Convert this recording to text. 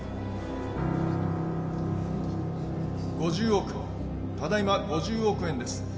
５０億５０億ただいま５０億円です